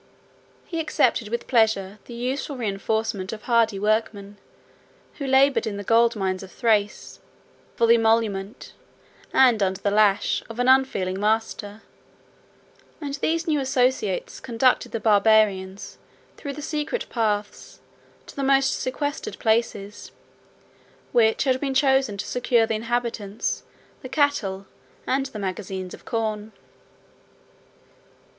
He accepted, with pleasure, the useful reenforcement of hardy workmen, who labored in the gold mines of Thrace, 76 for the emolument, and under the lash, of an unfeeling master: 77 and these new associates conducted the Barbarians, through the secret paths, to the most sequestered places, which had been chosen to secure the inhabitants, the cattle, and the magazines of corn.